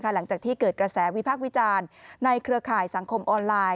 หลังจากที่เกิดกระแสวิพากษ์วิจารณ์ในเครือข่ายสังคมออนไลน์